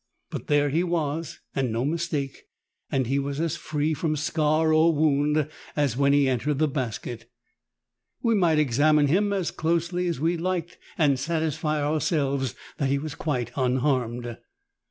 But there he was, and no mistake, and he was as free from scar or wound as when he entered the basket. We might examine him as closely as we liked and satisfy ourselves that he was quite unharmed.